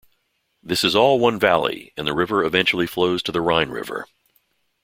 This is all one valley and the river eventually flows to the Rhine river.